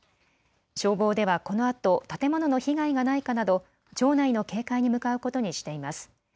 消防ではこのあと建物の被害がないかなど町内の警戒に向かうことにしています。